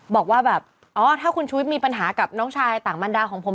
บอกว่าแบบอ๋อถ้าคุณชุวิตมีปัญหากับน้องชายต่างบรรดาของผม